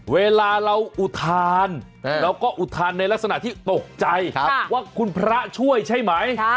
เวลาเราอุทานเราก็อุทานในลักษณะที่ตกใจว่าคุณพระช่วยใช่ไหม